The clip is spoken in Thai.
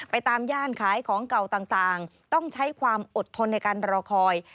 ตามย่านขายของเก่าต่างต้องใช้ความอดทนในการรอคอย